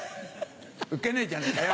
ウケねえじゃねぇかよ！